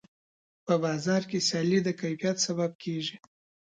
په بازار کې سیالي د کیفیت سبب کېږي.